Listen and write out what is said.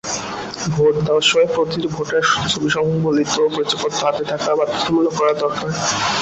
Vote দেওয়ার সময় প্রতিটি ভোটারের ছবিসংবলিত পরিচয়পত্র হাতে থাকা বাধ্যতামূলক করা দরকার।